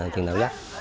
khi nào rắc